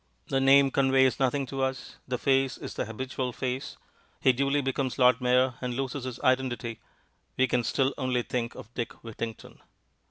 The name conveys nothing to us, the face is the habitual face. He duly becomes Lord Mayor and loses his identity. We can still only think of Dick Whittington.